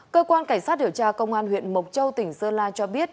cơ quan cảnh sát điều tra công an huyện mộc châu tỉnh sơn la cho biết